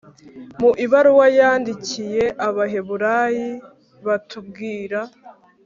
mu ibaruwa yandikiye abahebureyi batubwira